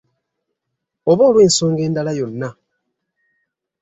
Oba olw’ensonga endala yonna.